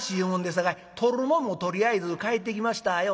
さかい取るもんもとりあえず帰ってきましたようなこって。